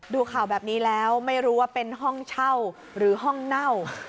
ดูข่าวแบบนี้แล้วไม่รู้ว่าเป็นห้องเช่าหรือห้องเน่า